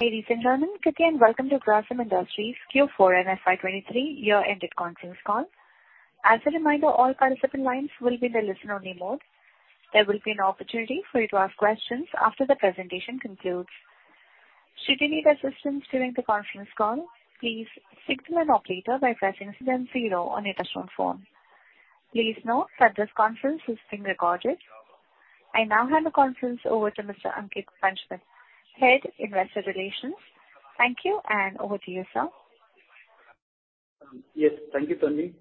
Ladies and gentlemen, good day and welcome to Grasim Industries Q4 and FY 2023 year-ended conference call. As a reminder, all participant lines will be in the listen-only mode. There will be an opportunity for you to ask questions after the presentation concludes. Should you need assistance during the conference call, please signal an operator by pressing star zero on your touchtone phone. Please note that this conference is being recorded. I now hand the conference over to Mr. Ankit Panchmatia, Head, Investor Relations. Thank you, over to you, sir. Yes. Thank you, Tanvi.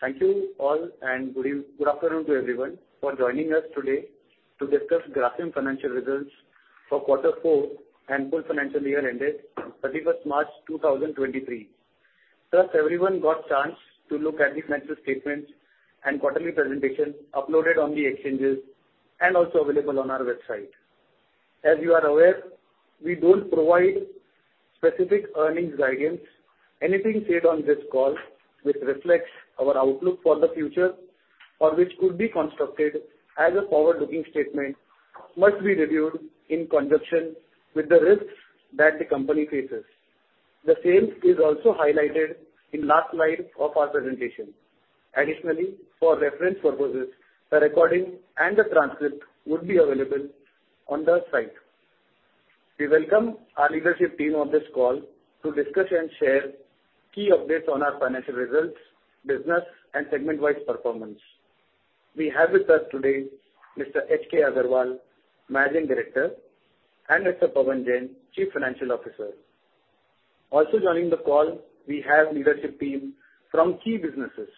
Thank you all. Good afternoon to everyone for joining us today to discuss Grasim Financial results for Q4 and full financial year ended 31st March 2023. Everyone got chance to look at the financial statements and quarterly presentation uploaded on the exchanges and also available on our website. As you are aware, we don't provide specific earnings guidance. Anything said on this call which reflects our outlook for the future or which could be constructed as a forward-looking statement, must be reviewed in conjunction with the risks that the company faces. The same is also highlighted in last slide of our presentation. Additionally, for reference purposes, the recording and the transcript would be available on the site. We welcome our leadership team on this call to discuss and share key updates on our financial results, business, and segment-wide performance. We have with us today Mr. H.K. Agarwal, Managing Director, and Mr. Pavan Jain, Chief Financial Officer. Also joining the call, we have leadership team from key businesses.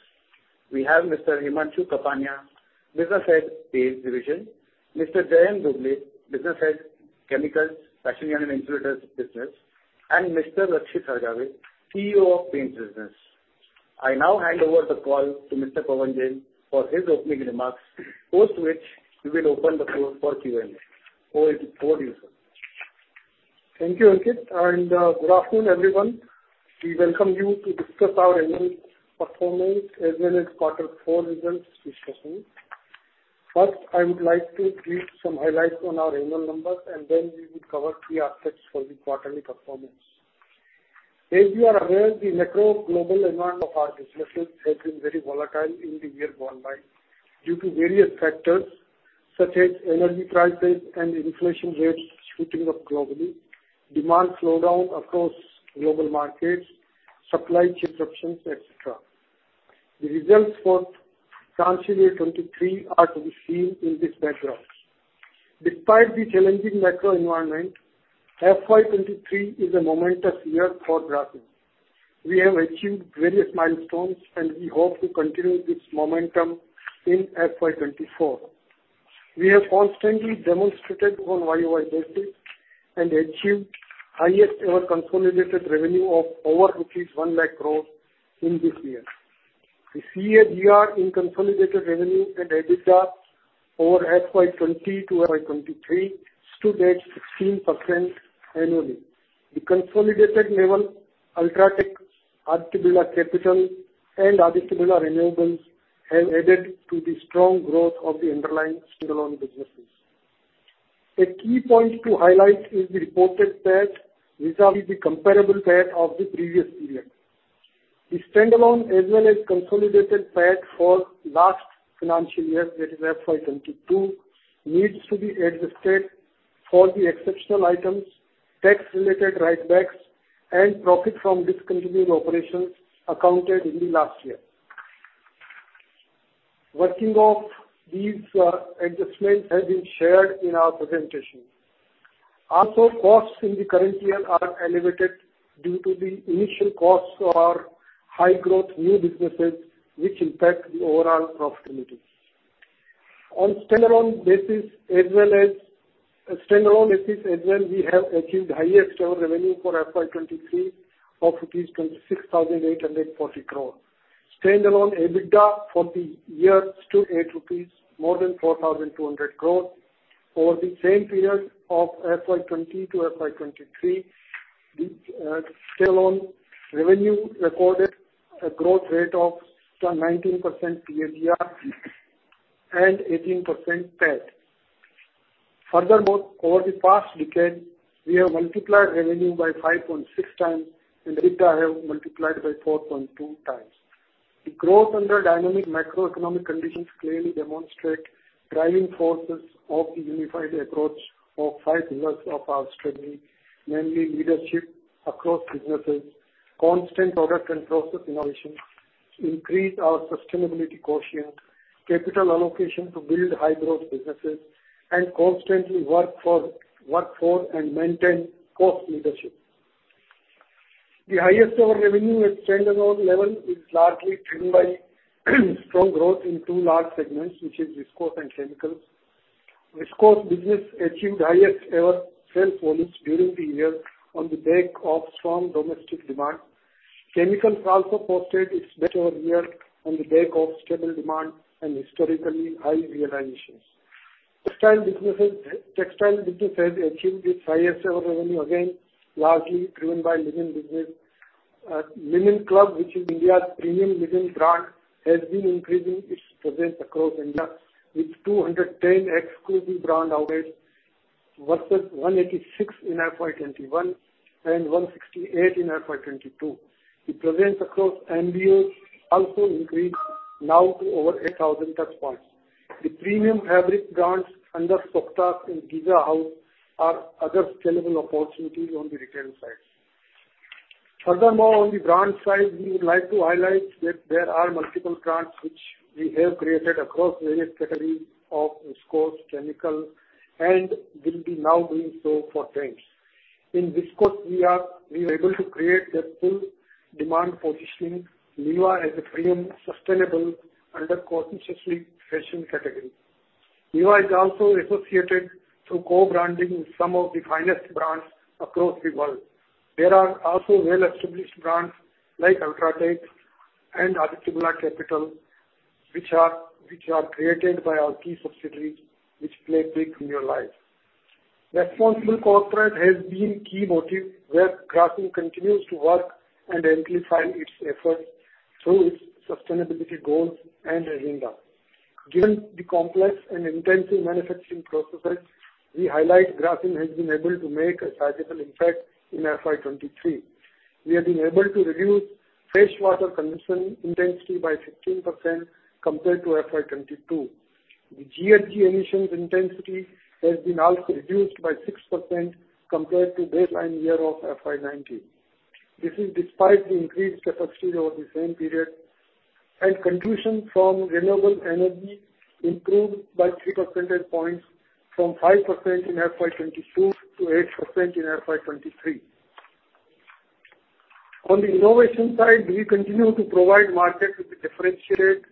We have Mr. Himanshu Kapania, Business Head, Paints Division, Mr. Jayant Dhobley, Business Head, Chemicals, Speciality and Insulators Business, and Mr. Rakshit Hargave, CEO of Paints Business. I now hand over the call to Mr. Pavan Jain for his opening remarks, post which we will open the floor for Q&A. Over to you, sir. Thank you, Ankit, and good afternoon, everyone. We welcome you to discuss our annual performance as well as quarter four results discussion. First, I would like to give some highlights on our annual numbers, and then we will cover key aspects for the quarterly performance. As you are aware, the macro global environment of our businesses has been very volatile in the year gone by due to various factors such as energy prices and inflation rates shooting up globally, demand slowdown across global markets, supply chain disruptions, et cetera. The results for financial year 2023 are to be seen in this backdrop. Despite the challenging macro environment, FY 2023 is a momentous year for Grasim. We have achieved various milestones, and we hope to continue this momentum in FY 2024. We have constantly demonstrated on YoY basis and achieved highest ever consolidated revenue of over rupees 1 lakh crore in this year. The CAGR in consolidated revenue and EBITDA over FY 2020 to FY 2023 stood at 16% annually. The consolidated level, UltraTech, Aditya Birla Capital, and Aditya Birla Renewables, have added to the strong growth of the underlying standalone businesses. A key point to highlight is the reported PAT, which are the comparable PAT of the previous period. The standalone as well as consolidated PAT for last financial year, that is FY 2022, needs to be adjusted for the exceptional items, tax-related writebacks, and profit from discontinued operations accounted in the last year. Working of these adjustments has been shared in our presentation. Costs in the current year are elevated due to the initial costs for our high growth new businesses, which impact the overall profitability. On standalone basis, as well, we have achieved highest ever revenue for FY 2023 of 26,840 crore rupees. Standalone EBITDA for the year stood at more than 4,200 crore. Over the same period of FY 2020 to FY 2023, the standalone revenue recorded a growth rate of some 19% CAGR and 18% PAT. Furthermore, over the past decade, we have multiplied revenue by 5.6x, and EBITDA have multiplied by 4.2x. The growth under dynamic macroeconomic conditions clearly demonstrate driving forces of the unified approach of five years of our strategy, mainly leadership across businesses, constant product and process innovation, increase our sustainability quotient, capital allocation to build high growth businesses, and constantly work for and maintain cost leadership. The highest over revenue at standalone level is largely driven by strong growth in two large segments, which is Viscose and Chemicals. Viscose business achieved highest ever sales volumes during the year on the back of strong domestic demand. Chemicals also posted its best over year on the back of stable demand and historically high realizations. Textile business has achieved its highest ever revenue, again, largely driven by linen business. Linen Club, which is India's premium women brand, has been increasing its presence across India with 210 exclusive brand outlets versus 186 in FY 2021, and 168 in FY 2022. The presence across MBO also increased now to over 8,000 touchpoints. The premium fabric brands under SÖKTAŞ and Giza House are other scalable opportunities on the retail side. Furthermore, on the brand side, we would like to highlight that there are multiple brands which we have created across various categories of Viscose, Chemical, and will be now doing so for Trends. In Viscose, we were able to create that full demand positioning Liva as a premium, sustainable under consciously fashion category. Liva is also associated through co-branding with some of the finest brands across the world. There are also well-established brands like UltraTech and Aditya Birla Capital, which are created by our key subsidiaries, which play big in your life. Responsible corporate has been key motive, where Grasim continues to work and amplify its efforts through its sustainability goals and agenda. Given the complex and intensive manufacturing processes, we highlight Grasim has been able to make a tangible impact in FY 2023. We have been able to reduce fresh water consumption intensity by 15% compared to FY 2022. The GHG emissions intensity has been also reduced by 6% compared to baseline year of FY 2019. This is despite the increased capacity over the same period, and consumption from renewable energy improved by 3 percentage points, from 5% in FY22 to 8% in FY 2023. On the innovation side, we continue to provide market with differentiated,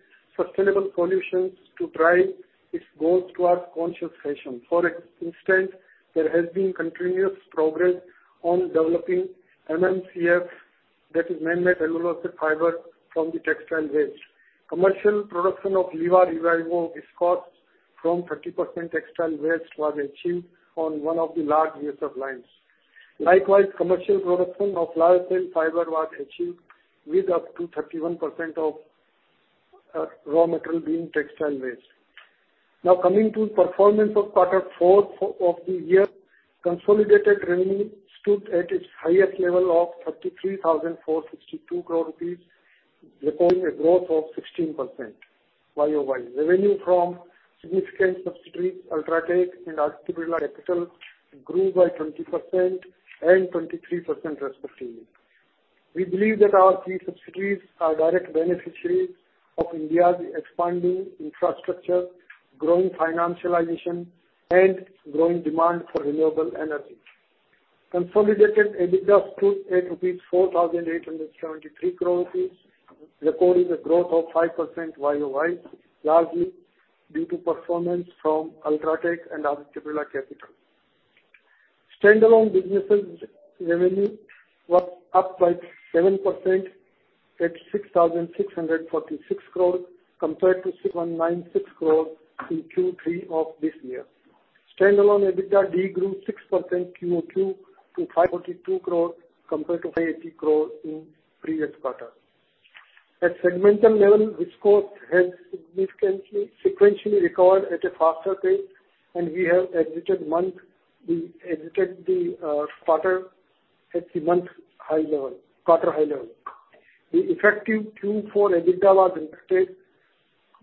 sustainable solutions to drive its goals towards conscious fashion. For instance, there has been continuous progress on developing MMCF, that is man-made cellulose fiber, from the textile waste. Commercial production of Liva Reviva Viscose from 30% textile waste was achieved on one of the large VSF lines. Likewise, commercial production of Lyocell fiber was achieved with up to 31% of raw material being textile waste. Coming to performance of Q4 of the year, consolidated revenue stood at its highest level of 33,462 crore rupees, recording a growth of 16% YoY. Revenue from significant subsidiaries, UltraTech and Aditya Birla Capital, grew by 20% and 23% respectively. We believe that our key subsidiaries are direct beneficiaries of India's expanding infrastructure, growing financialization, and growing demand for renewable energy. Consolidated EBITDA stood at 4,873 crore rupees, recording a growth of 5% YoY, largely due to performance from UltraTech and Aditya Birla Capital. Standalone businesses revenue was up by 7% at 6,646 crore, compared to 6,196 crore in Q3 of this year. Standalone EBITDA de-grew 6% QoQ to 542 crore, compared to 580 crore in previous quarter. At segmental level, Viscose has significantly, sequentially recovered at a faster pace, we exited the quarter at the month high level, quarter high level. The effective Q4 EBITDA was impacted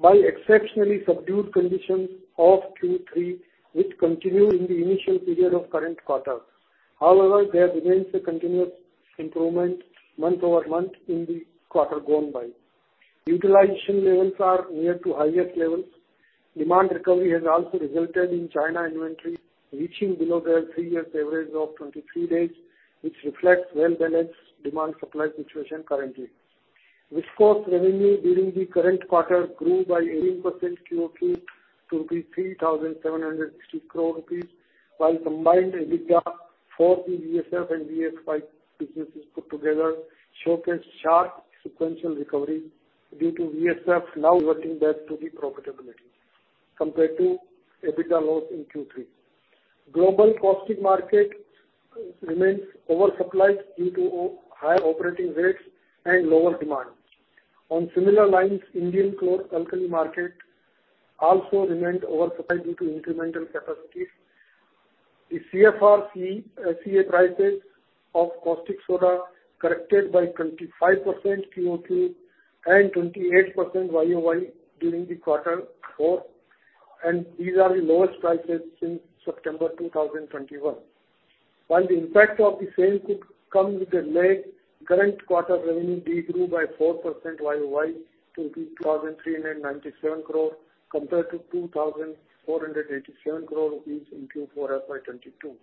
by exceptionally subdued conditions of Q3, which continued in the initial period of current quarter. However, there remains a continuous improvement month-over-month in the quarter gone by. Utilization levels are near to highest levels. Demand recovery has also resulted in China inventory reaching below their three-year average of 23 days, which reflects well-balanced demand supply situation currently. Viscose revenue during the current quarter grew by 18% QoQ to INR 3,760 crore, while combined EBITDA for the VSF and VX five businesses put together showcased sharp sequential recovery due to VSF now returning back to the profitability compared to EBITDA loss in Q3. Global caustic market remains oversupplied due to high operating rates and lower demand. On similar lines, Indian chlor-alkali market also remained oversupplied due to incremental capacity. The CFR China CA prices of caustic soda corrected by 25% QoQ and 28% YoY during the quarter four. These are the lowest prices since September 2021. While the impact of the same could come with a lag, current quarter revenue de-grew by 4% YoY to rupees 2,397 crore, compared to 2,487 crore rupees in Q4 FY22.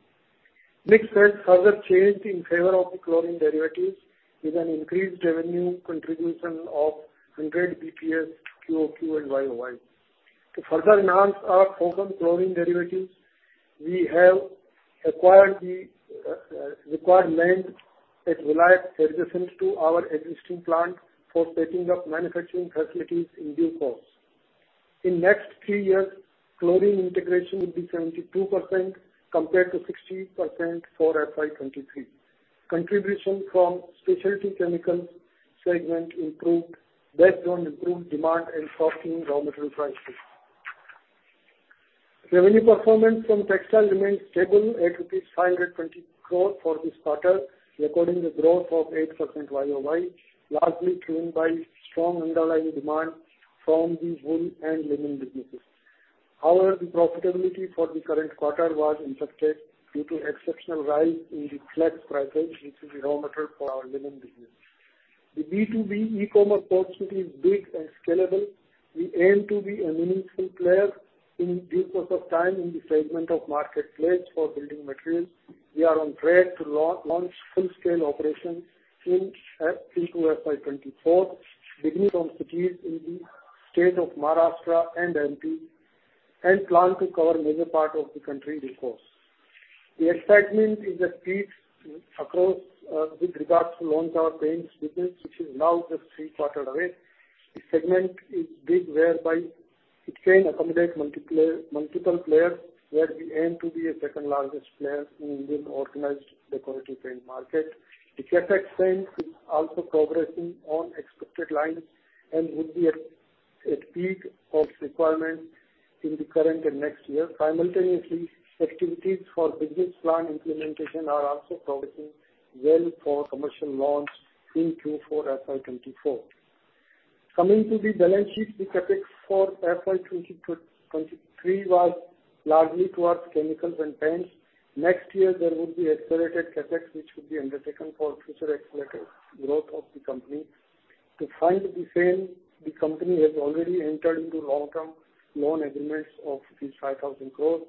Mix sales further changed in favor of the chlorine derivatives, with an increased revenue contribution of 100 BPS, QoQ and YoY. To further enhance our focus on chlorine derivatives, we have acquired the required land at Reliance adjacent to our existing plant for setting up manufacturing facilities in due course. In next three years, chlorine integration will be 72% compared to 60% for FY 2023. Contribution from specialty chemical segment improved, based on improved demand and sourcing raw material prices. Revenue performance from textile remains stable at rupees 520 crore for this quarter, recording a growth of 8% YoY, largely driven by strong underlying demand from the wool and linen businesses. However, the profitability for the current quarter was impacted due to exceptional rise in the flex prices, which is a raw material for our linen business. The B2B e-commerce opportunity is big and scalable. We aim to be a meaningful player in due course of time in the segment of marketplace for building materials. We are on track to launch full-scale operations in Q2 FY 2024, beginning from cities in the state of Maharashtra and MP, and plan to cover major part of the country, of course. The excitement is at peak across, with regards to launch our paints business, which is now just three quarters away. The segment is big, whereby it can accommodate multiple players, where we aim to be a second largest player in Indian organized decorative paint market. The CapEx spend is also progressing on expected lines and would be at peak of requirement in the current and next year. Simultaneously, activities for business plan implementation are also progressing well for commercial launch in Q4 FY 2024. Coming to the balance sheet, the CapEx for FY 2022-2023 was largely towards chemicals and paints. Next year, there would be accelerated CapEx, which would be undertaken for future accelerated growth of the company. To fund the same, the company has already entered into long-term loan agreements of 5,000 crore.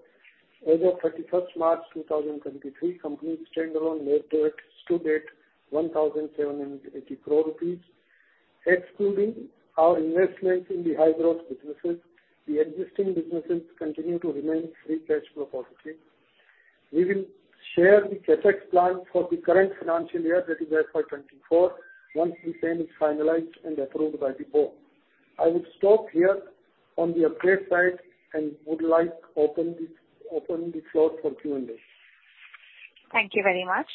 As of 31st March 2023, company's standalone net debt stood at INR 1,780 crore. Excluding our investments in the high-growth businesses, the existing businesses continue to remain free cash flow positive. We will share the CapEx plan for the current financial year, that is FY24, once the same is finalized and approved by the board. I will stop here on the update side and would like to open the floor for Q&A. Thank you very much.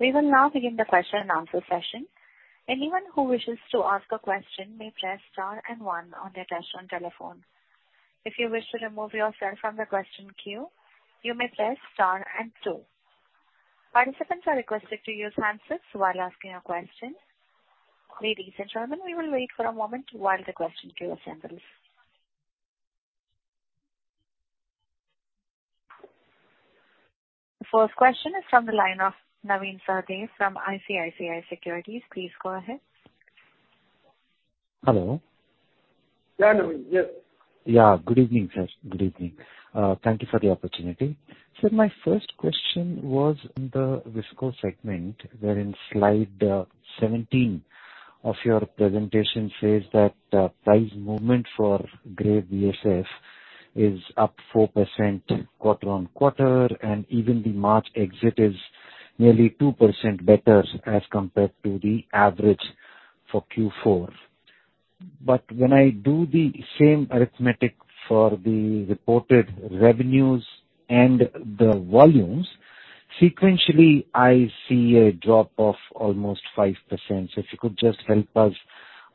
We will now begin the question and answer session. Anyone who wishes to ask a question may press star and one on their touchtone telephone. If you wish to remove yourself from the question queue, you may press star and two. Participants are requested to use handsets while asking a question. Ladies and gentlemen, we will wait for a moment while the question queue assembles. The first question is from the line of Navin Sahadeo from ICICI Securities. Please go ahead. Hello. Yeah, Navin. Yes. Yeah. Good evening, sir. Good evening. Thank you for the opportunity. Sir, my first question was in the visco segment, wherein slide 17 of your presentation says that price movement for grade VSF is up 4% quarter-on-quarter, and even the March exit is nearly 2% better as compared to the average for Q4. When I do the same arithmetic for the reported revenues and the volumes, sequentially, I see a drop of almost 5%. If you could just help us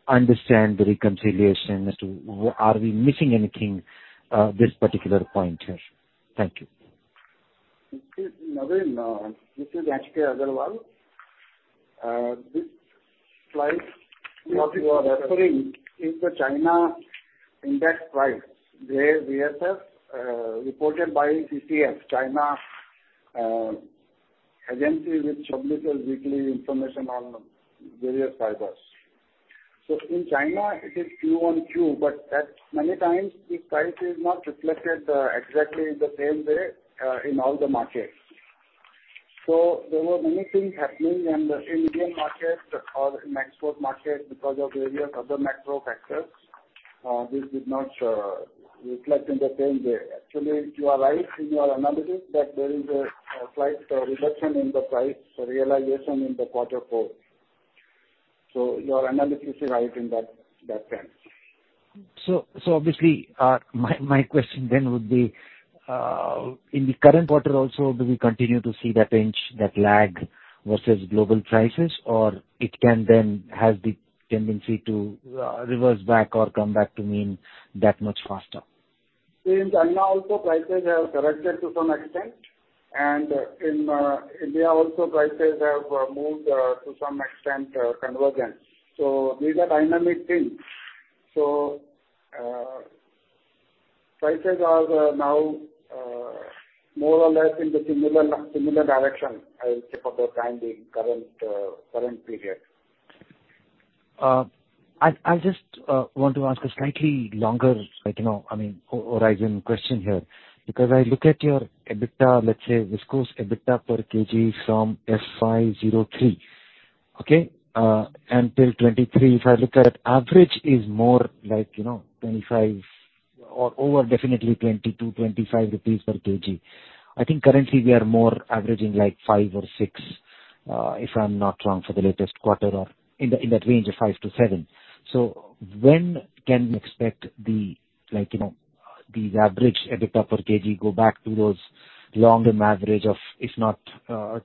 understand the reconciliation as to are we missing anything, this particular point here? Thank you. Navin, this is H. K. Agarwal. This slide what you are referring is the China index price, the VSF, reported by CCFEI, China, agency, which publishes weekly information on various fibers. In China, it is Q on Q, but at many times, the price is not reflected exactly the same way in all the markets. There were many things happening in the Indian market or in export market because of various other macro factors. This did not reflect in the same way. Actually, you are right in your analysis that there is a slight reduction in the price realization in the quarter four. Your analysis is right in that sense. Obviously, my question then would be, in the current quarter also, do we continue to see that lag versus global prices? It can then have the tendency to reverse back or come back to mean that much faster? In China also, prices have corrected to some extent, and in India also, prices have moved to some extent, convergent. These are dynamic things. Prices are now more or less in the similar direction as tip of the time, the current period. I just want to ask a slightly longer, like, you know, I mean, horizon question here. I look at your EBITDA, let's say, visco's EBITDA per kg from FY 2003, okay? Until 2023, if I look at average is more like, you know, 25 or over definitely 22-25 rupees per kg. I think currently we are more averaging like 5 or 6 if I'm not wrong, for the latest quarter or in the, in that range of 5-7. When can we expect the, like, you know, the average EBITDA per kg go back to those long-term average of, if not,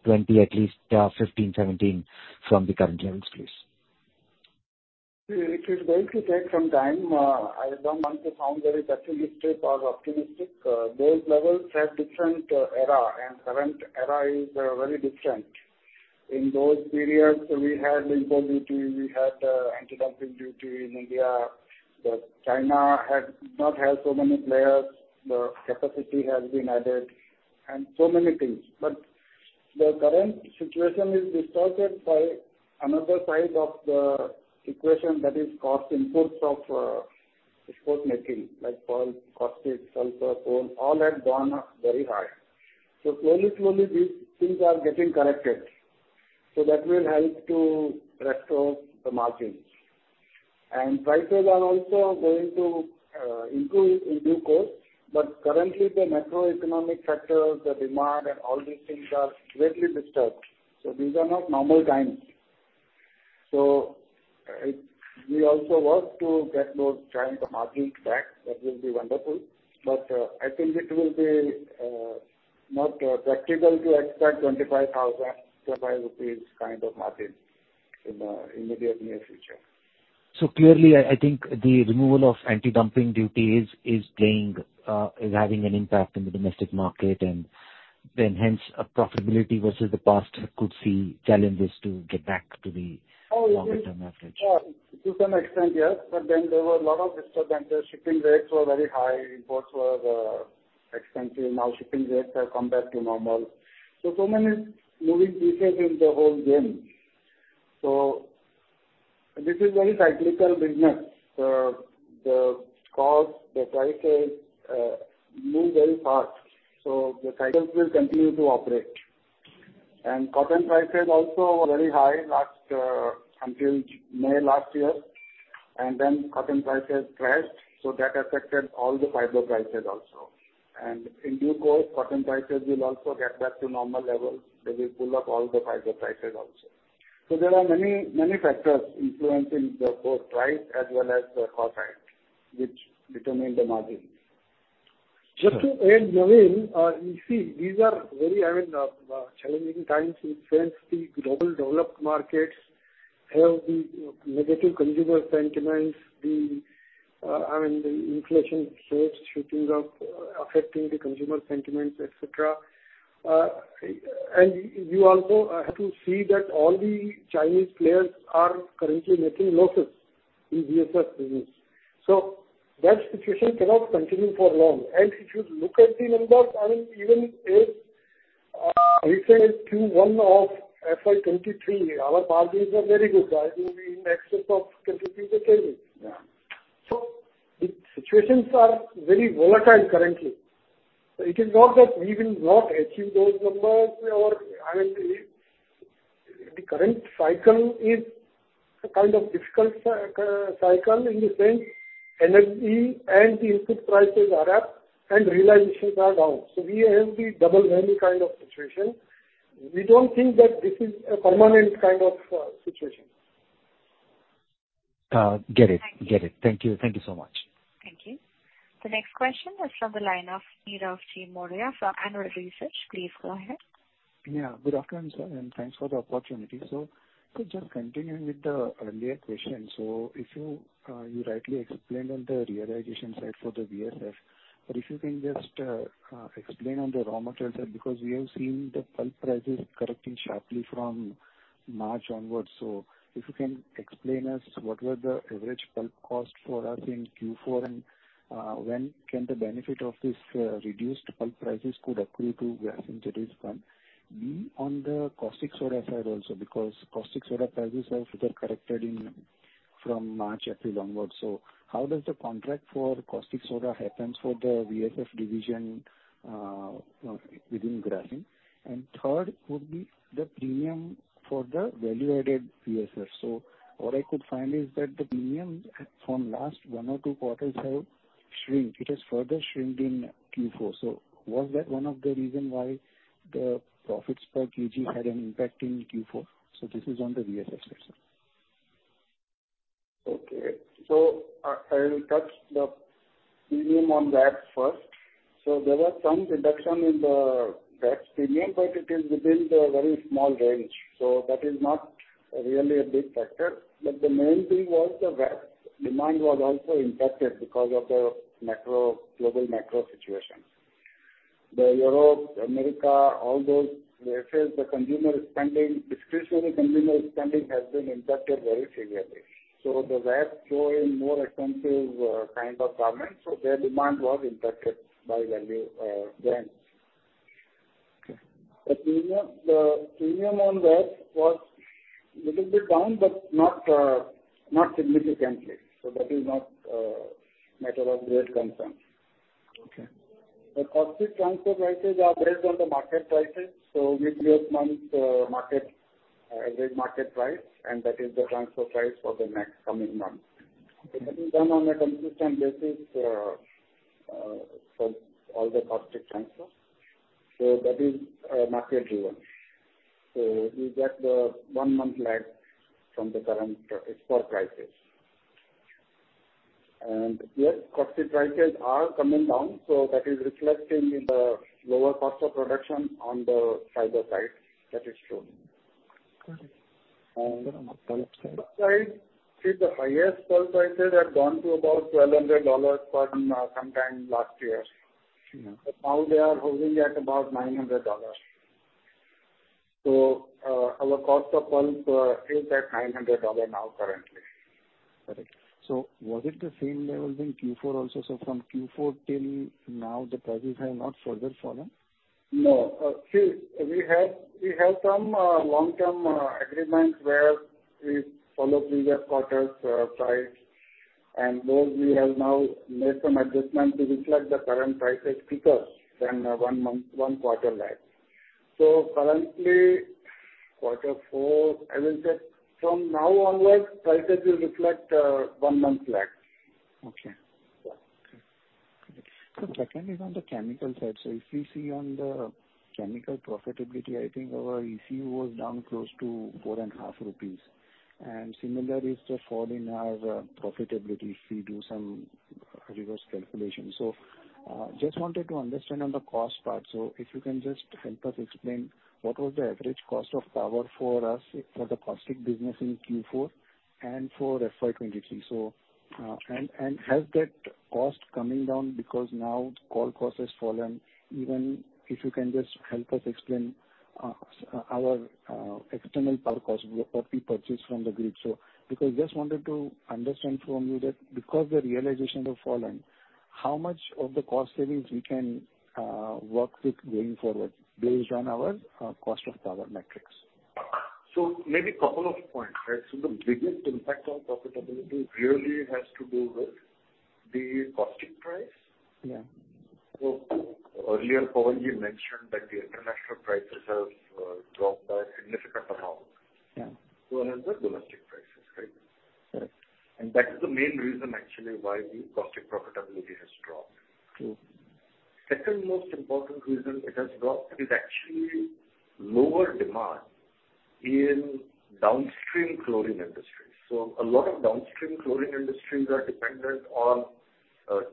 20, at least, 15-17 from the current levels, please? It is going to take some time. I don't want to sound very statistic or optimistic. Those levels are different, era, and current era is very different. In those periods, we had import duty, we had antidumping duty in India, but China had not had so many players. The capacity has been added and so many things. The current situation is distorted by another side of the equation that is cost inputs of export material like pulp, caustic, sulfur, coal, all have gone up very high. Slowly, slowly, these things are getting corrected, so that will help to restore the margins. Prices are also going to increase in due course, but currently, the macroeconomic factors, the demand and all these things are greatly disturbed, so these are not normal times. We also work to get those kind of margins back, that will be wonderful, but, I think it will be not practical to expect 25,000 kind of margin in the immediate near future. Clearly, I think the removal of antidumping duties is playing, is having an impact in the domestic market, hence profitability versus the past could see challenges to get back to the longer-term average. Oh, yes. There were a lot of disturbances. Shipping rates were very high, imports were expensive, now shipping rates have come back to normal. Many moving pieces in the whole game. This is very cyclical business. The cost, the prices, move very fast, the cycles will continue to operate. Cotton prices also were very high last until May last year, cotton prices crashed, that affected all the fiber prices also. In due course, cotton prices will also get back to normal levels. They will pull up all the fiber prices also. There are many, many factors influencing the port price as well as the cost side, which determine the margin. Just to add, Navin, you see, these are very, I mean, challenging times since the global developed markets have the negative consumer sentiments, the, I mean, the inflation rates shooting up, affecting the consumer sentiments, et cetera. You also have to see that all the Chinese players are currently making losses in VSF business. That situation cannot continue for long. If you look at the numbers, I mean, even if we say Q1 of FY 2023, our margins are very good, right? Will be in excess of 23%. Yeah. The situations are very volatile currently. It is not that we will not achieve those numbers or, I mean, the current cycle is a kind of difficult cycle in the sense energy and the input prices are up and realizations are down. We have the double whammy kind of situation. We don't think that this is a permanent kind of situation. Get it. Thank you so much. Thank you. The next question is from the line of Nirav Jimudia from Anvil Research. Please go ahead. Yeah, good afternoon, sir, and thanks for the opportunity. to just continuing with the earlier question, if you rightly explained on the realization side for the VSF, but if you can just, explain on the raw material side, because we have seen the pulp prices correcting sharply from March onwards. If you can explain us, what were the average pulp cost for us in Q4, and, when can the benefit of this, reduced pulp prices could accrue to Grasim Industries from? B, on the caustic soda side also, because caustic soda prices have further corrected in from March, April onwards. How does the contract for caustic soda happens for the VSF division, within Grasim? Third would be the premium for the value-added VSF. What I could find is that the premium from last one or two quarters have shrink. It has further shrinked in Q4. Was that one of the reason why the profits per kg had an impact in Q4? This is on the VSF side, sir. Okay. I will touch the premium on that first. There was some reduction in the VADs premium, but it is within the very small range, so that is not really a big factor. The main thing was the VADs demand was also impacted because of the macro, global macro situation. The Europe, America, all those places, the consumer spending, discretionary consumer spending has been impacted very severely. The VADs showing more expensive kind of garments, so their demand was impacted by value brands. Okay. The premium on VADs was little bit down, but not significantly. That is not a matter of great concern. Okay. The caustic transfer prices are based on the market prices, so we use month, market, average market price, and that is the transfer price for the next coming month. That is done on a consistent basis for all the caustic transfer. That is market driven. We get the one month lag from the current spot prices. Yes, caustic prices are coming down, so that is reflecting in the lower cost of production on the fiber side. That is true. Got it. On the pulp side? Pulp side, see the highest pulp prices have gone to about $1,200 per sometime last year. Mm-hmm. Now they are holding at about $900. Our cost of pulp is at $900 now currently. Correct. Was it the same level in Q4 also? From Q4 till now, the prices have not further fallen? No, see, we have some long-term agreements where we follow previous quarters, price. Those we have now made some adjustments to reflect the current prices quicker than one month, one quarter lag. Currently, quarter four, I will say from now onwards, prices will reflect, one month lag. Okay. Yeah. Second is on the Chemicals side. If you see on the Chemicals profitability, I think our EC was down close to 4.5 rupees. Similar is the fall in our profitability if we do some reverse calculations. Just wanted to understand on the cost part. If you can just help us explain what was the average cost of power for us for the caustic business in Q4 and for FY 2023. And has that cost coming down because now coal cost has fallen? Even if you can just help us explain our external power cost, what we purchase from the grid. Because just wanted to understand from you that because the realizations have fallen, how much of the cost savings we can work with going forward based on our cost of power metrics? Maybe a couple of points, right? The biggest impact on profitability really has to do with the caustic price. Yeah. Earlier, Pawan, you mentioned that the international prices have dropped by a significant amount. Yeah Has the domestic prices, right? Correct. That is the main reason, actually, why the caustic profitability has dropped. Mm. Second most important reason it has dropped is actually lower demand in downstream clothing industries. A lot of downstream clothing industries are dependent on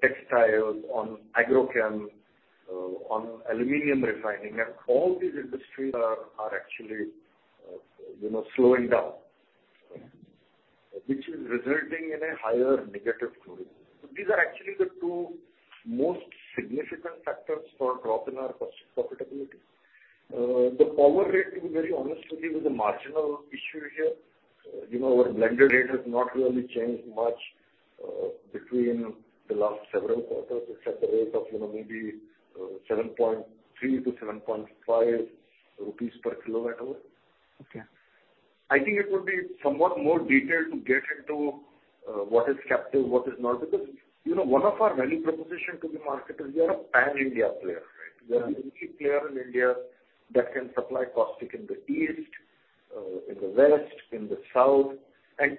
textiles, on agrochem, on aluminum refining, and all these industries are actually, you know, slowing down, which is resulting in a higher negative growth. These are actually the two most significant factors for drop in our caustic profitability. The power rate, to be very honest with you, is a marginal issue here. You know, our blended rate has not really changed much between the last several quarters, except the rate of, you know, maybe 7.3-7.5 rupees per kWh. Okay. I think it would be somewhat more detailed to get into, what is captive, what is not. Because, you know, one of our value proposition to the market is we are a pan-India player, right? Yeah. We are a key player in India that can supply caustic in the east, in the west, in the south.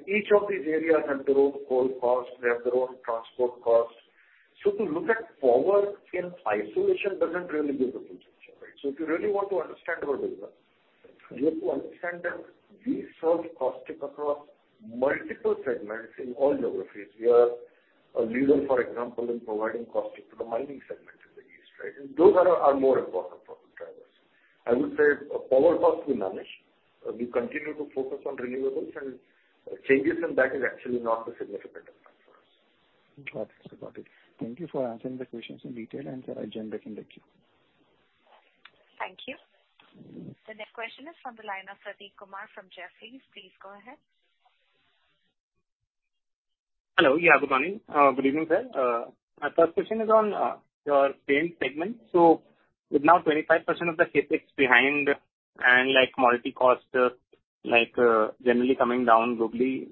Each of these areas have their own coal costs, they have their own transport costs. To look at power in isolation doesn't really give the full picture, right? If you really want to understand our business, you have to understand that we serve caustic across multiple segments in all geographies. We are a leader, for example, in providing caustic to the mining segment in the east, right? Those are more important for us drivers. I would say power costs we manage. We continue to focus on renewables and changes in that is actually not a significant impact for us. Got it. Thank you for answering the questions in detail, and I'll join the next question. Thank you. The next question is from the line of Prateek Kumar from Jefferies. Please go ahead. Hello. Yeah, good morning. Good evening, sir. My first question is on your paint segment. With now 25% of the CapEx behind and, like, commodity cost generally coming down globally.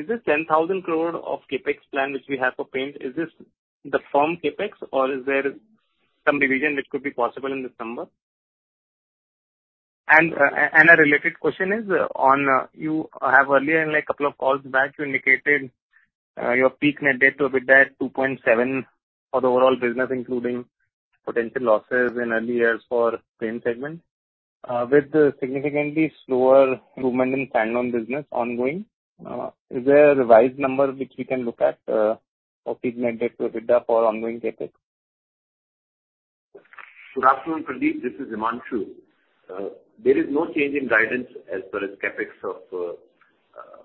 Is this 10,000 crore of CapEx plan, which we have for paint, is this the firm CapEx, or is there some revision which could be possible in this number? A related question is on you have earlier in couple of calls back, you indicated your peak net debt to EBITDA at 2.7x for the overall business, including potential losses in early years for paint segment. With the significantly slower improvement in stand-alone business ongoing, is there a revised number which we can look at for peak net debt to EBITDA for ongoing CapEx? Good afternoon, Prateek, this is Himanshu. There is no change in guidance as far as CapEx of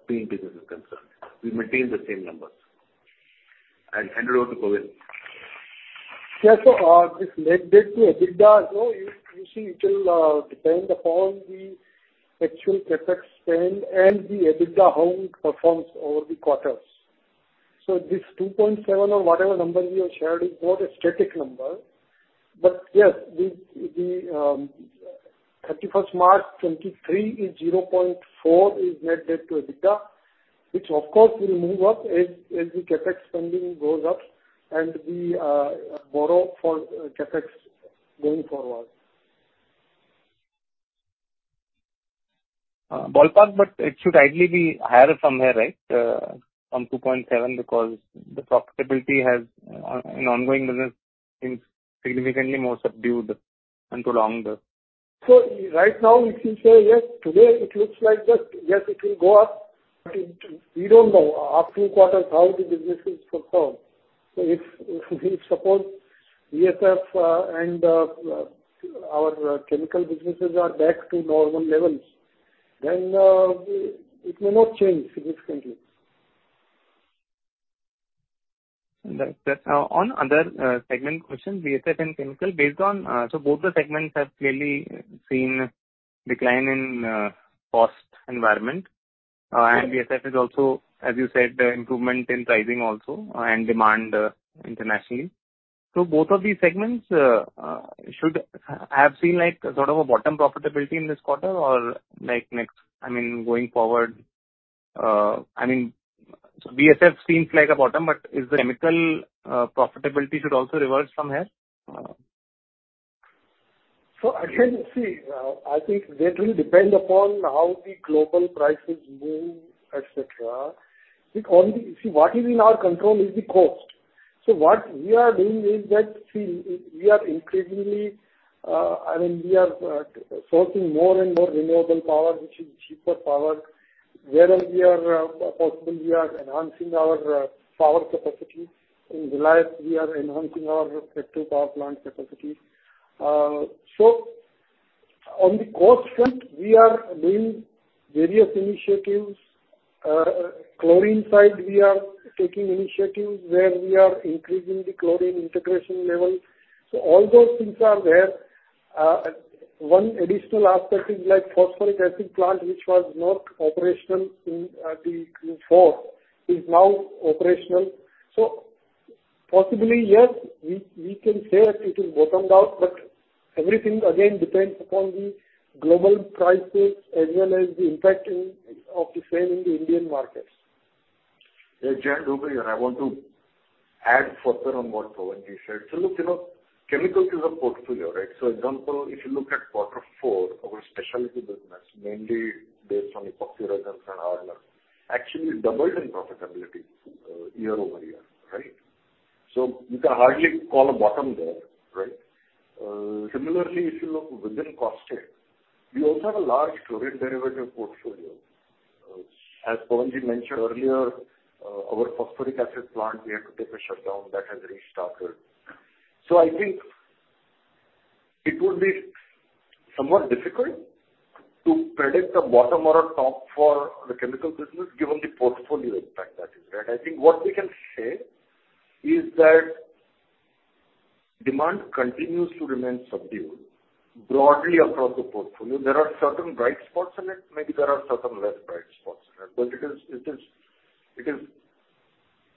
paint business is concerned. We maintain the same numbers. I hand it over to Pavan. This net debt to EBITDA, you know, you see, it will depend upon the actual CapEx spend and the EBITDA, how it performs over the quarters. This 2.7x or whatever number we have shared is not a static number. Yes, the, 31st, March 2023 is 0.4x is net debt to EBITDA, which of course, will move up as the CapEx spending goes up and we borrow for CapEx going forward.... ballpark, it should ideally be higher from here, right? From 2.7x, because the profitability has, an ongoing business seems significantly more subdued and prolonged. Right now, we can say, yes, today it looks like that, yes, it will go up, but we don't know after two quarters how the business will perform. If suppose VSF and our chemical businesses are back to normal levels, then it may not change significantly. Right. On other segment question, VSF and Chemicals, both the segments have clearly seen decline in cost environment. Yes. VSF is also, as you said, improvement in pricing also and demand internationally. Both of these segments should have seen sort of a bottom profitability in this quarter or next, going forward. VSF seems like a bottom, but is the Chemicals profitability should also revert somewhere? Again, see, I think that will depend upon how the global prices move, et cetera. Only. See, what is in our control is the cost. What we are doing is that, see, we are increasingly sourcing more and more renewable power, which is cheaper power. Wherein we are possible, we are enhancing our power capacity. In Reliance, we are enhancing our effective power plant capacity. On the cost front, we are doing various initiatives. Chlorine side, we are taking initiatives where we are increasing the chlorine integration level. All those things are there. One additional aspect is like phosphoric acid plant, which was not operational in the Q4, is now operational. Possibly, yes, we can say that it is bottomed out, but everything again depends upon the global prices as well as the impact of the same in the Indian markets. Jayant Dhobley, here I want to add further on what Pawan ji said. Look, you know, Chemicals is a portfolio, right? Example, if you look at quarter four, our specialty business, mainly based on epoxy resins and hardeners, actually doubled in profitability, year-over-year, right? You can hardly call a bottom there, right? Similarly, if you look within caustic, we also have a large chlorine derivative portfolio. As Pawan ji mentioned earlier, our phosphoric acid plant, we had to take a shutdown that has restarted. I think it would be somewhat difficult to predict the bottom or a top for the Chemicals business, given the portfolio impact that is there. I think what we can say is that demand continues to remain subdued broadly across the portfolio. There are certain bright spots in it, maybe there are certain less bright spots in it. It is,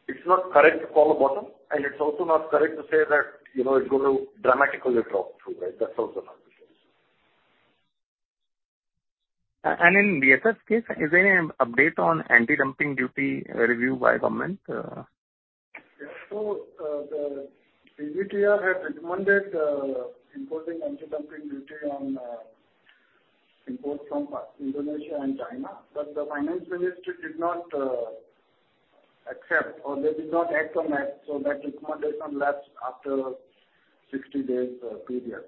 it's not correct to call a bottom, and it's also not correct to say that, you know, it's going to dramatically drop through, right? That's also not the case. In VSF's case, is there any update on anti-dumping duty review by government? The DGTR had recommended imposing anti-dumping duty on import from Indonesia and China, but the finance ministry did not accept or they did not act on that, so that recommendation lapsed after 60 days period.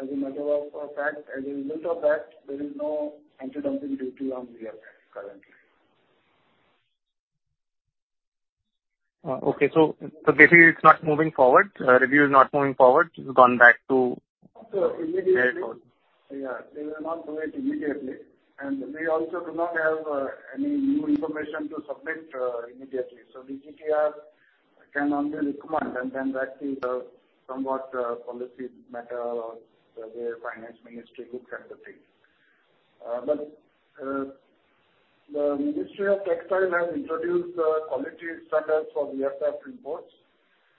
As a matter of fact, as a result of that, there is no anti-dumping duty on VSF currently. Okay. Basically, it's not moving forward, review is not moving forward. It's gone back to. Immediately. Where it was. Yeah, they will not do it immediately, and we also do not have any new information to submit immediately. DGTR can only recommend, and then that is somewhat policy matter on the finance ministry, looks at the thing. The Ministry of Textiles has introduced quality standards for VSF imports.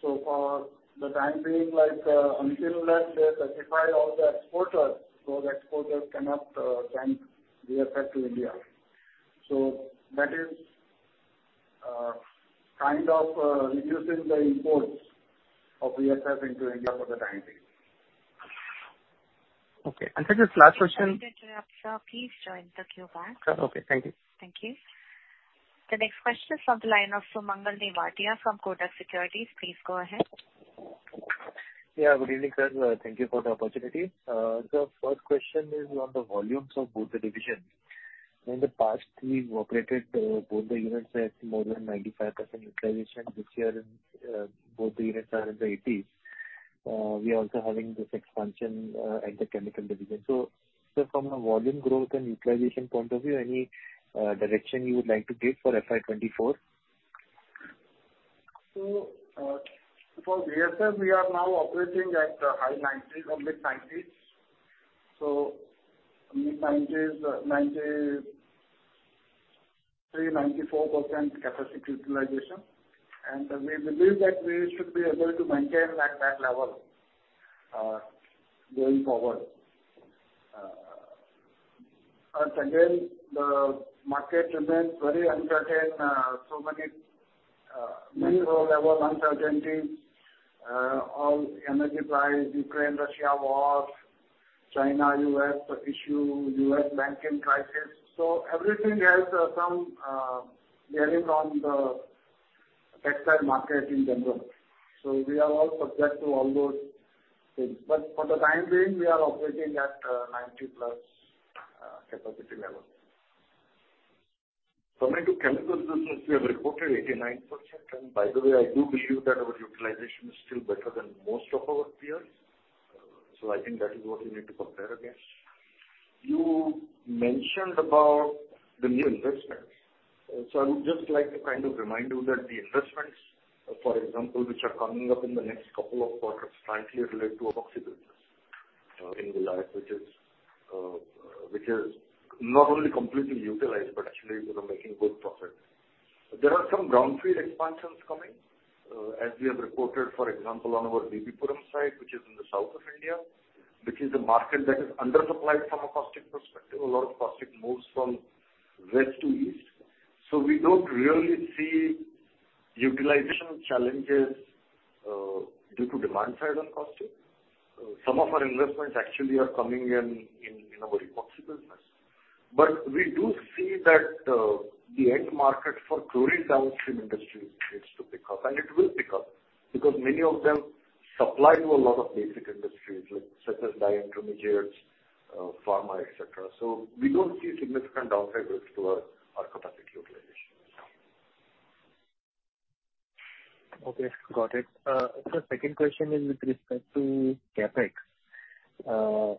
For the time being, like, until and unless they certify all the exporters, those exporters cannot bring VSF to India. That is kind of reducing the imports of VSF into India for the time being. Okay, sir, this last question... Sorry to interrupt, sir. Please join the queue back. Okay. Thank you. Thank you. The next question is from the line of Sumangal Nevatia from Kotak Securities. Please go ahead. Yeah, good evening, sir. Thank you for the opportunity. First question is on the volumes of both the divisions. In the past, we've operated both the units at more than 95% utilization. This year, both the units are in the 80%s. We are also having this expansion at the Chemicals division. Sir, from a volume growth and utilization point of view, any direction you would like to give for FY 2024? For VSF, we are now operating at high nineties or mid-nineties. Mid-nineties, 93%-94% capacity utilization. We believe that we should be able to maintain at that level going forward. Again, the market remains very uncertain. Macro level uncertainty on energy price, Ukraine-Russia war, China-US issue, U.S. banking crisis. Everything has some bearing on the textile market in general. We are all subject to all those things. For the time being, we are operating at 90+ capacity level. For me, to Chemicals business, we have reported 89%. By the way, I do believe that our utilization is still better than most of our peers. I think that is what we need to compare against. You mentioned about the new investments. I would just like to kind of remind you that the investments, for example, which are coming up in the next couple of quarters, frankly, are related to epoxy business in Vilayat, which is not only completely utilized, but actually, you know, making good profit. There are some ground field expansions coming, as we have reported, for example, on our Viluppuram site, which is in the south of India, which is a market that is undersupplied from a caustic perspective. A lot of caustic moves from west to east. We don't really see utilization challenges due to demand side on caustic. Some of our investments actually are coming in our epoxy business. We do see that the end market for chlorine downstream industry needs to pick up, and it will pick up. Many of them supply to a lot of basic industries, such as dye intermediates, pharma, et cetera. We don't see significant downside risk to our capacity utilization. Okay, got it. Sir, second question is with respect to CapEx.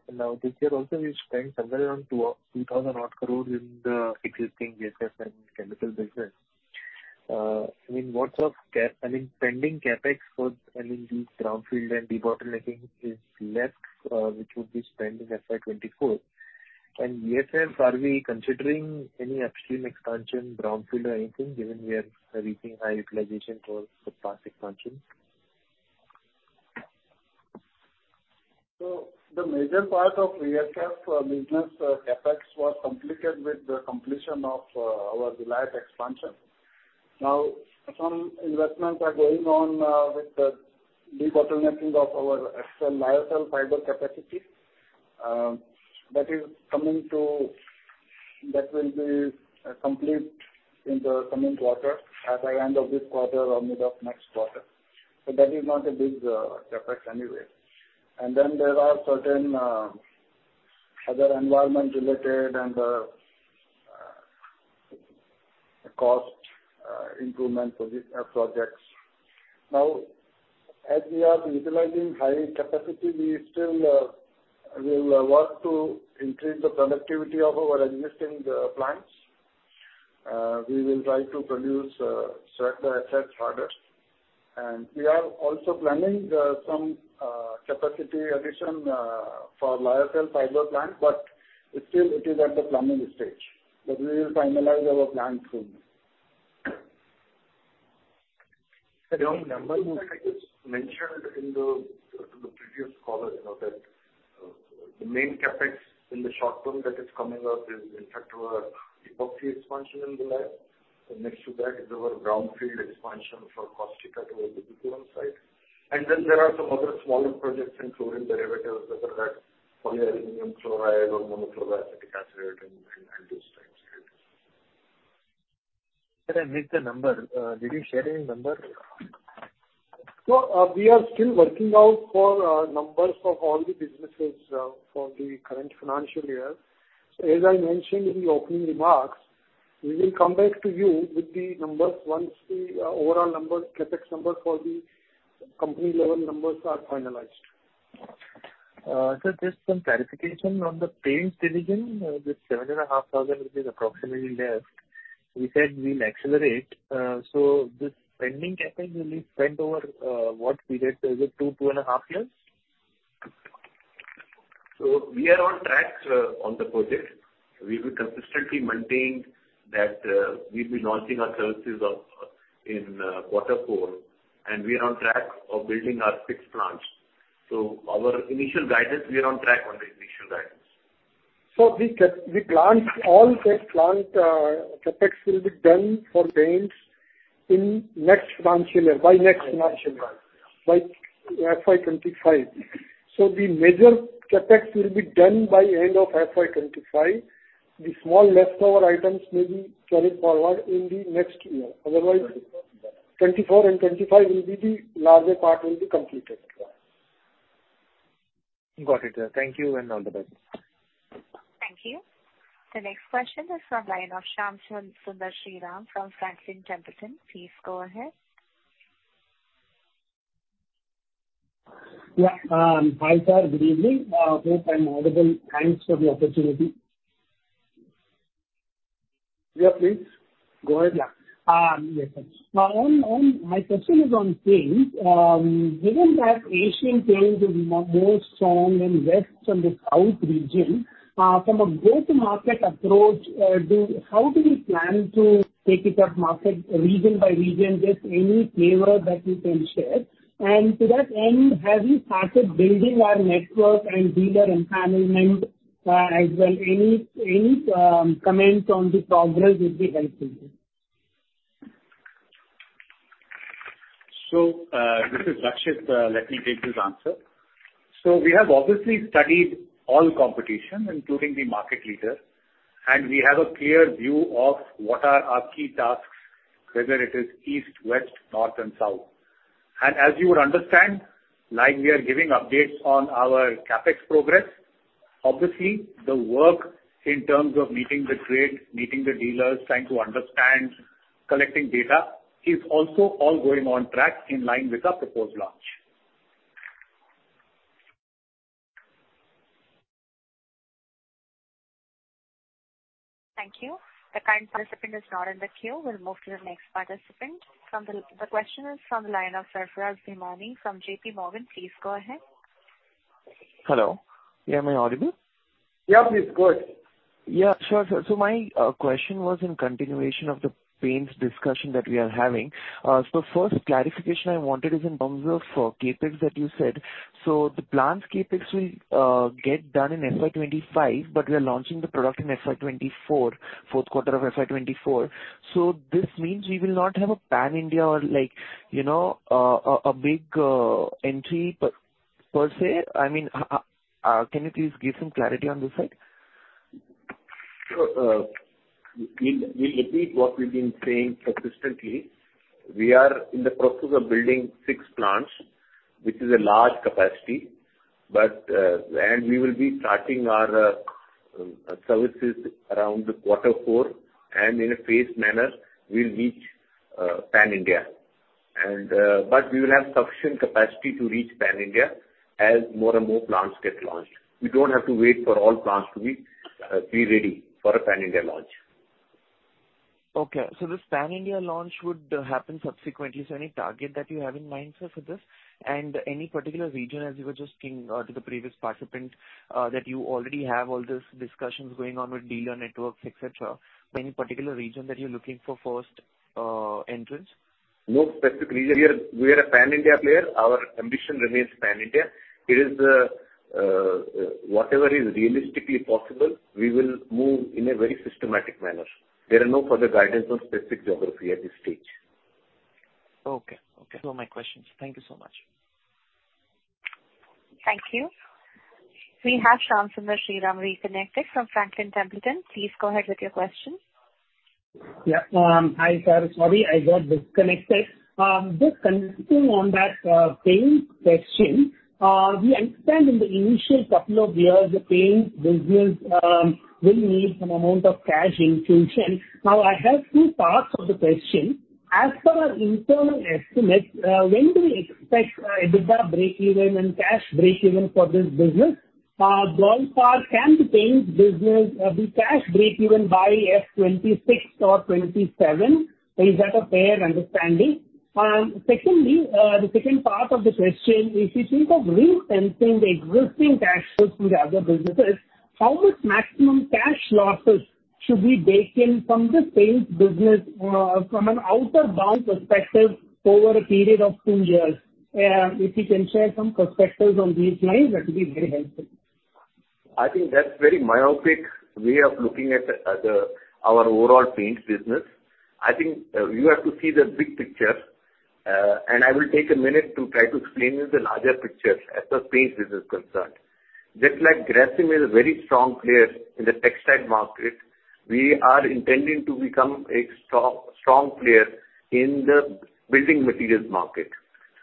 Now, this year also we spent somewhere around 2,000 odd crore in the existing VSF and Chemicals business. I mean, pending CapEx for, I mean, the brownfield and debottlenecking is left, which would be spent in FY 2024. VSF, are we considering any upstream expansion, brownfield or anything, given we are reaching high utilization for the plastic function? The major part of VSF business CapEx was completed with the completion of our Vilayat expansion. Some investments are going on with the debottlenecking of our extra lyocell fiber capacity. That will be complete in the coming quarter, by the end of this quarter or mid of next quarter. That is not a big CapEx anyway. There are certain other environment related and cost improvement projects. As we are utilizing high capacity, we still will work to increase the productivity of our existing plants. We will try to produce certain assets harder. We are also planning some capacity addition for lyocell fiber plant, but still it is at the planning stage, but we will finalize our plan soon. The number that I just mentioned in the, in the previous call is now that the main CapEx in the short term that is coming up is in fact our epoxy expansion in Vilayat. Next to that is our brownfield expansion for caustica to the Viluppuram site. Then there are some other smaller projects in chlorine derivatives, whether that's polyaluminum chloride or monochloroacetic acid and those types. Sir, I missed the number. Did you share any number? We are still working out for numbers of all the businesses for the current financial year. As I mentioned in the opening remarks, we will come back to you with the numbers once the overall number, CapEx number for the company level numbers are finalized. Sir, just some clarification on the Paints division. With 7,500 rupees approximately there, you said we'll accelerate. This pending CapEx will be spent over what period? Is it 2.5 years? We are on track on the project. We will consistently maintain that, we'll be launching our services of, in, quarter four, and we are on track of building our six plants. Our initial guidance, we are on track on the initial guidance. The plant, all the plant, CapEx will be done for Paints in next financial year, by next financial year. By next financial year. By FY 2025. The major CapEx will be done by end of FY 2025. The small leftover items may be carried forward in the next year. 2024. 2024 and 2025 will be the larger part will be completed. Got it, sir. Thank you, and all the best. Thank you. The next question is from line of Shyam Sundar Sriram from Franklin Templeton. Please go ahead. Yeah. Hi, sir. Good evening. Hope I'm audible. Thanks for the opportunity. Yeah, please. Go ahead. Yes, sir. On my question is on paints. Given that Asian Paints is more strong in west and the south region, from a go-to-market approach, how do you plan to take it up market, region by region? Just any flavor that you can share. To that end, have you started building your network and dealer empowerment? As well, any comment on the progress would be helpful. This is Rakshit. Let me take this answer. We have obviously studied all competition, including the market leader, and we have a clear view of what are our key tasks, whether it is east, west, north, and south. As you would understand, like we are giving updates on our CapEx progress, obviously the work in terms of meeting the trade, meeting the dealers, trying to understand, collecting data, is also all going on track in line with our proposed launch. Thank you. The current participant is not in the queue. We'll move to the next participant. The question is from the line of Sarfraz Bhimani from JPMorgan. Please go ahead. Hello. Yeah, am I audible? Yeah, please, go ahead. Yeah, sure, sir. My question was in continuation of the Paints discussion that we are having. First clarification I wanted is in terms of CapEx that you said. The plants CapEx will get done in FY 2025, but we are launching the product in FY 2024, fourth quarter of FY 2024. This means we will not have a pan-India or like, you know, a big entry per se? I mean, can you please give some clarity on this side? We'll repeat what we've been saying consistently. We are in the process of building six plants, which is a large capacity, but. We will be starting our services around quarter four, and in a phased manner, we'll reach pan-India. But we will have sufficient capacity to reach pan-India as more and more plants get launched. We don't have to wait for all plants to be ready for a pan-India launch. Okay, this pan-India launch would happen subsequently. Any target that you have in mind, sir, for this? Any particular region, as you were just saying, to the previous participant, that you already have all these discussions going on with dealer networks, et cetera. Any particular region that you're looking for first entrance? No specific region. We are a pan-India player. Our ambition remains pan-India. It is whatever is realistically possible, we will move in a very systematic manner. There are no further guidance on specific geography at this stage. Okay. Okay, those were my questions. Thank you so much. Thank you. We have Shyam Sundar Sriram reconnected from Franklin Templeton. Please go ahead with your question. Yeah. Hi, sir. Sorry, I got disconnected. Just continuing on that paint question, we understand in the initial couple of years, the paint business will need some amount of cash infusion. Now, I have two parts of the question. As per our internal estimates, when do you expect EBITDA breakeven and cash breakeven for this business? One part, can the paint business be cash breakeven by FY 2026 or 2027? Is that a fair understanding? Secondly, the second part of the question, if you think of re-tensing the existing cash flows to the other businesses, how much maximum cash losses should we take in from this paint business from an out-of-bound perspective over a period of two years? If you can share some perspectives on these lines, that would be very helpful. I think that's very myopic way of looking at our overall Paints business. I think you have to see the big picture, and I will take a minute to try to explain you the larger picture as the Paints business is concerned. Just like Grasim is a very strong player in the textile market, we are intending to become a strong player in the building materials market.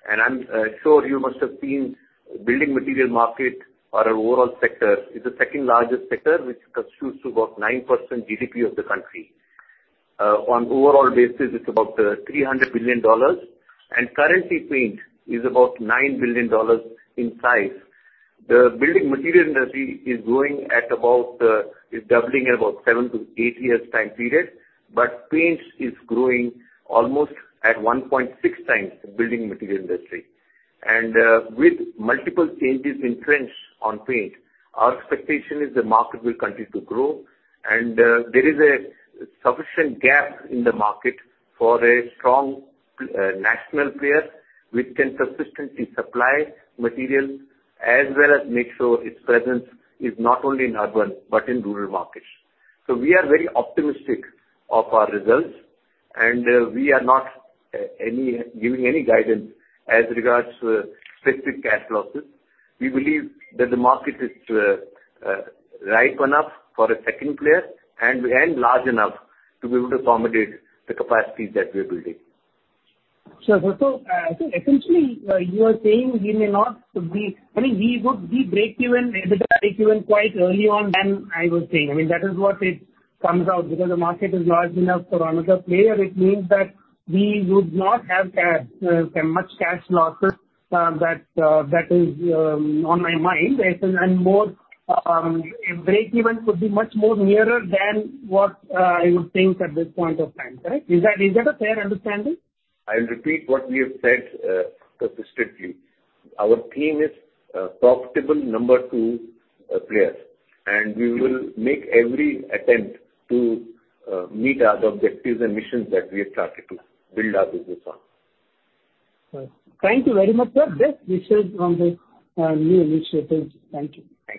I'm sure you must have seen building material market or our overall sector is the second largest sector, which constitutes about 9% GDP of the country. On overall basis, it's about $300 billion, and currently, Paints is about $9 billion in size. The building material industry is growing at about, it's doubling at about seven to eight years time period, Paints is growing almost at 1.6x the building material industry. With multiple changes in trends on Paint, our expectation is the market will continue to grow, there is a sufficient gap in the market for a strong national player, which can consistently supply material as well as make sure its presence is not only in urban but in rural markets. We are very optimistic of our results, we are not giving any guidance as regards to specific cash losses. We believe that the market is ripe enough for a second player and large enough to be able to accommodate the capacity that we're building. Sure, essentially, you are saying I mean, we would be breakeven, EBITDA breakeven quite early on than I was saying. I mean, that is what it comes out, because the market is large enough for another player, it means that we would not have cash, much cash losses, that is on my mind. I think, more, breakeven could be much more nearer than what I would think at this point of time, correct? Is that, is that a fair understanding? I'll repeat what we have said consistently. Our team is a profitable number two player. We will make every attempt to meet our objectives and missions that we have started to build our business on. Thank you very much, sir. Best wishes on the new initiatives. Thank you. Thank you. Thank you.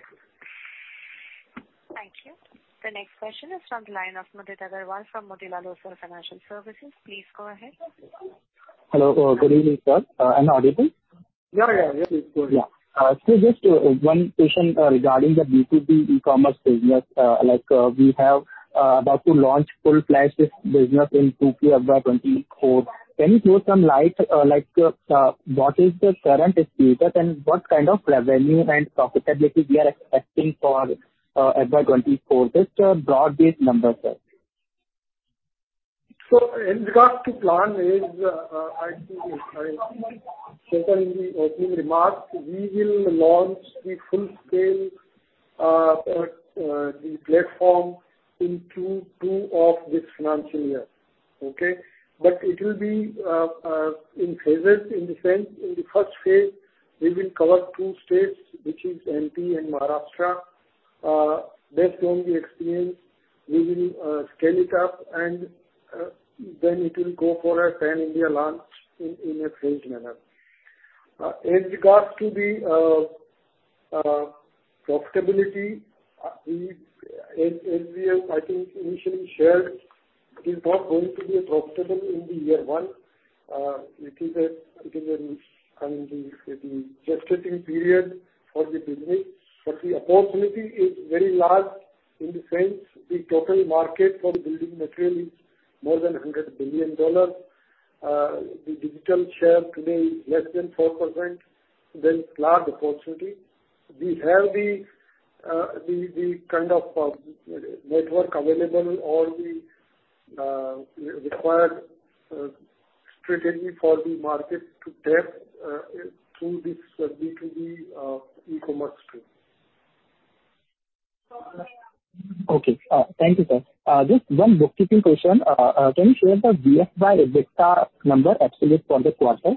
The next question is from the line of Mudit Agarwal from Motilal Oswal Financial Services. Please go ahead. Hello. Good evening, sir. I'm audible? Yeah, yeah. Yes, please go ahead. Just one question regarding the B2B e-commerce business. Like we have about to launch full-fledged business in Q2 FY 2024. Can you throw some light, like what is the current status, and what kind of revenue and profitability we are expecting for FY 2024? Just a broad-based number, sir. In regards to plan is, stated in the opening remarks, we will launch the full scale platform in Q2 of this financial year. Okay? It will be in phases. In the sense, in the first phase, we will cover two states, which is MP and Maharashtra. Based on the experience, we will scale it up, and then it will go for a pan-India launch in a phased manner. In regards to the profitability, as we have initially shared, it is not going to be profitable in the year one. I mean, it is a gestating period for the business, but the opportunity is very large in the sense the total market for building material is more than INR 100 billion. The digital share today is less than 4%. Large opportunity. We have the kind of network available or the required strategy for the market to tap through this B2B e-commerce stream. Okay. Thank you, sir. Just one bookkeeping question. Can you share the BFSI EBITDA number absolute for the quarter?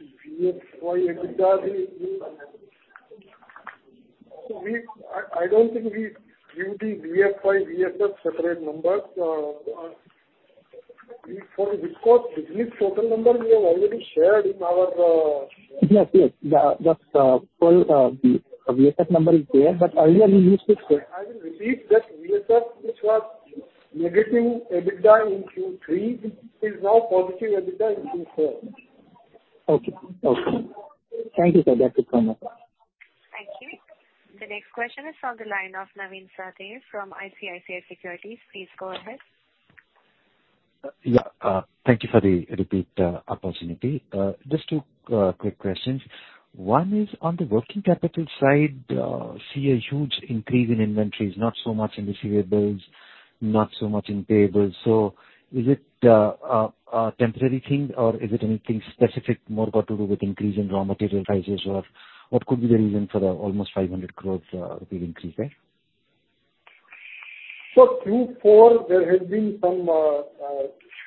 BFSI EBITDA, we I don't think we give the BFSI, VSF separate numbers. We for Visco business total number we have already shared in our. Yes, yes. The, that's, full VSF number is there, but earlier we used to say. I will repeat that VSF, which was negative EBITDA in Q3, is now positive EBITDA in Q4. Okay. Okay. Thank you, sir. That's it from my side. Thank you. The next question is on the line of Navin Sahadeo from ICICI Securities. Please go ahead. Yeah, thank you for the repeat opportunity. Just two quick questions. One is on the working capital side, see a huge increase in inventories, not so much in receivables, not so much in payables. Is it a temporary thing, or is it anything specific more got to do with increase in raw material prices, or what could be the reason for the almost 500 crores rupee increase, sir? Q4, there has been some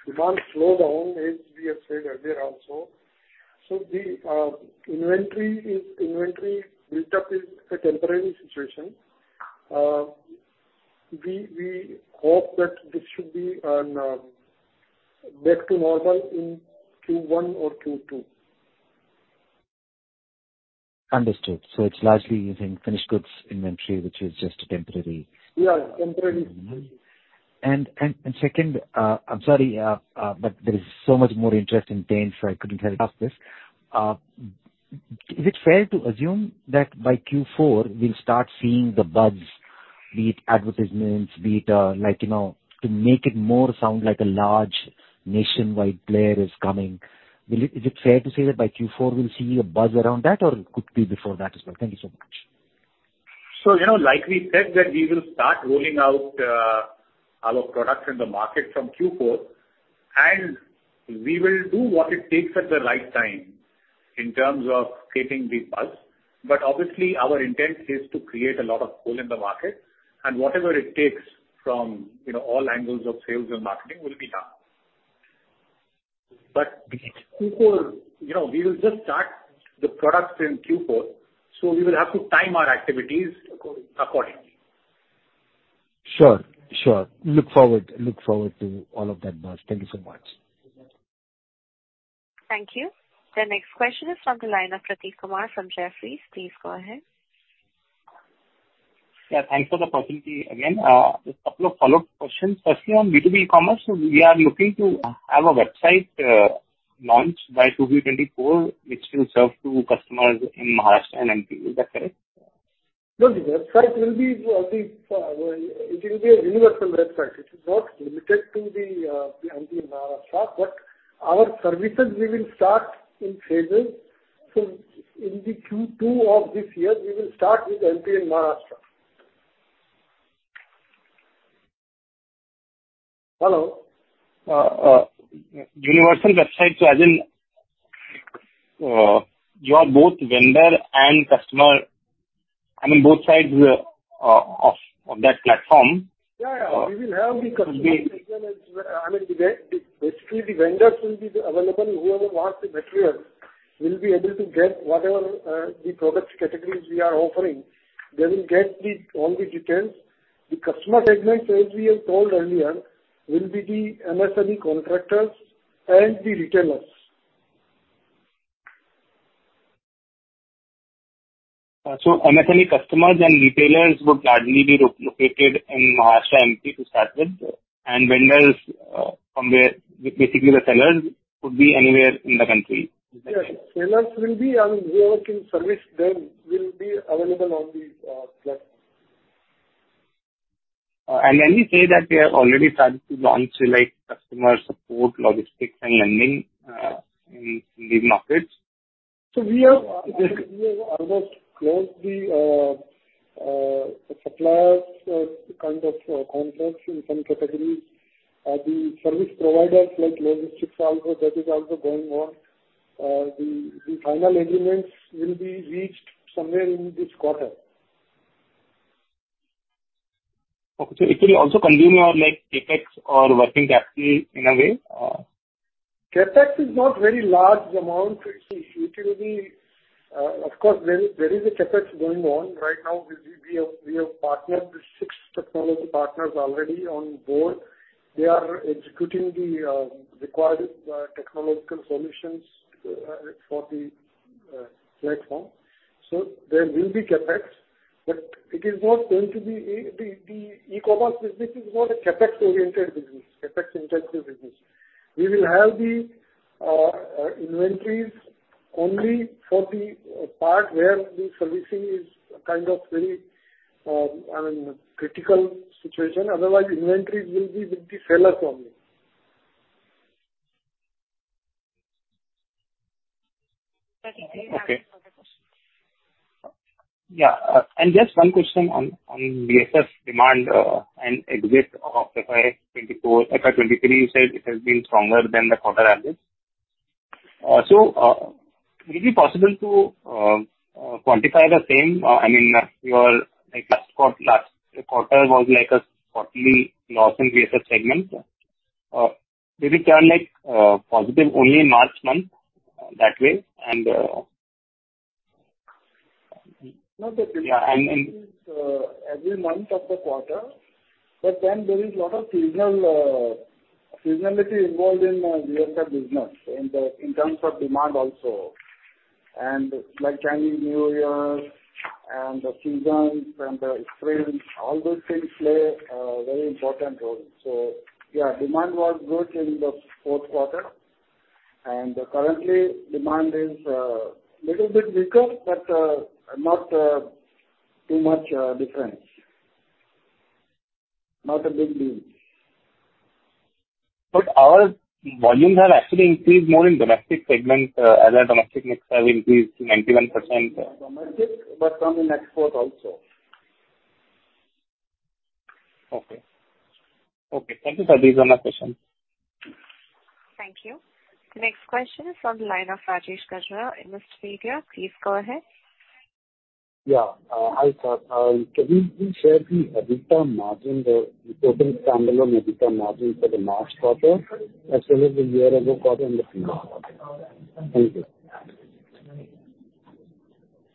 demand slowdown, as we have said earlier also. The inventory built up is a temporary situation. We hope that this should be on back to normal in Q1 or Q2. Understood. It's largely in finished goods inventory, which is just temporary. Yeah, temporary. Second, I'm sorry, there is so much more interest in paint, so I couldn't help but ask this. Is it fair to assume that by Q4 we'll start seeing the buzz, be it advertisements, be it, like, you know, to make it more sound like a large nationwide player is coming? Is it fair to say that by Q4 we'll see a buzz around that, or it could be before that as well? Thank you so much. You know, like we said, that we will start rolling out our products in the market from Q4, and we will do what it takes at the right time in terms of creating the buzz. Obviously, our intent is to create a lot of pull in the market, and whatever it takes from, you know, all angles of sales and marketing will be done. Q4, you know, we will just start the products in Q4, so we will have to time our activities accordingly. Sure. Sure. Look forward to all of that buzz. Thank you so much. Thank you. The next question is from the line of Prateek Kumar from Jefferies. Please go ahead. Yeah, thanks for the opportunity again. Just a couple of follow-up questions. Firstly, on B2B e-commerce, we are looking to have a website, launched by Q2 2024, which will serve to customers in Maharashtra and MP. Is that correct? The website will be a universal website. It's not limited to the MP and Maharashtra, but our services we will start in phases. In the Q2 of this year, we will start with MP and Maharashtra. Hello, universal website, as in, you are both vendor and customer, I mean, both sides, of that platform? Yeah. We will have the Will be- I mean, basically, the vendors will be available, whoever wants the material will be able to get whatever the product categories we are offering. They will get the, all the details. The customer segment, as we have told earlier, will be the MSME contractors and the retailers. MSME customers and retailers would largely be located in Maharashtra and MP to start with, and vendors, from where basically the sellers could be anywhere in the country? Yes. Sellers will be and whoever can service them will be available on the platform. When you say that they have already started to launch, like, customer support, logistics and lending, in these markets? We have almost closed the suppliers kind of contracts in some categories. The service providers, like logistics also, that is also going on. The final agreements will be reached somewhere in this quarter. Okay. It will also consume your, like, CapEx or working capital in a way. CapEx is not very large amount. It will be, of course, there is a CapEx going on right now. We have partnered with six technology partners already on board. They are executing the required technological solutions for the platform. There will be CapEx, but it is not going to be. The e-commerce business is not a CapEx-oriented business, CapEx-intensive business. We will have the inventories only for the part where the servicing is kind of very, I mean, critical situation. Otherwise, inventories will be with the sellers only. That is it. Okay. Any other question? Yeah. Just one question on VSF demand, and exit of FY 2024. FY 2023, you said it has been stronger than the quarter average. Would it be possible to quantify the same? I mean, your, like, last quarter was like a quarterly loss in VSF segment. Did it turn, like, positive only in March month, that way? Not that- Yeah. Every month of the quarter, there is a lot of seasonal seasonality involved in VSF business, in the, in terms of demand also. Like Chinese New Year and the seasons and the spring, all those things play a very important role. Demand was good in the fourth quarter, and currently demand is little bit weaker but not too much difference. Not a big deal. Our volumes have actually increased more in domestic segment, as our domestic mix have increased to 91%. Domestic, but from the export also. Okay. Thank you, sir. These are my questions. Thank you. Next question is on the line of Rajesh Gajra, Informist Media. Please go ahead. Yeah. Hi, sir. Can you please share the EBITDA margin, the total standalone EBITDA margin for the March quarter as well as the year ago quarter and the Q4? Thank you.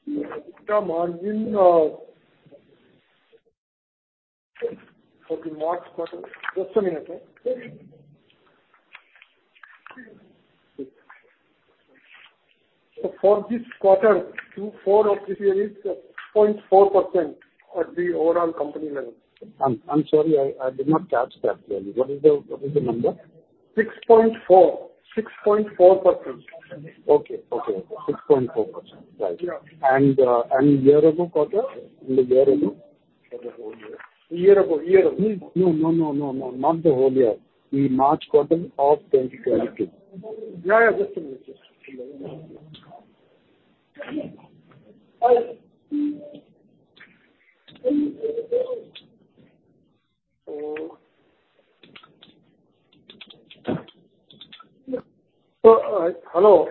EBITDA margin for the March quarter. Just a minute. For this quarter, Q4 of this year is 0.4% at the overall company level. I'm sorry, I did not catch that clearly. What is the number? Six point four. Six point four percent. Okay. Okay, okay, 6.4%. Yeah. Got it. Year-ago quarter, and the year-ago, for the whole year? Year ago. No, no, no, not the whole year. The March quarter of 2022. Yeah, yeah, just a minute. hello?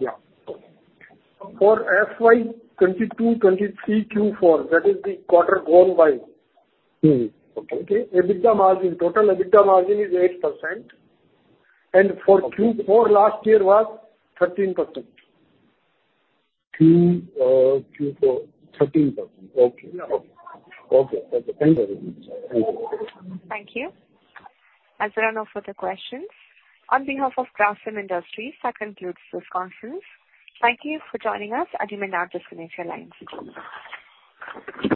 Yeah. For FY 2022, 2023 Q4, that is the quarter gone by. Mm-hmm. Okay. Okay. EBITDA margin, total EBITDA margin is 8%, and for- Okay. Q4 last year was 13%. Q, Q4, 13%. Yeah. Okay. Okay. Thank you very much. Thank you. As there are no further questions, on behalf of Grasim Industries, that concludes this conference. Thank you for joining us, and you may now disconnect your lines. Thank you.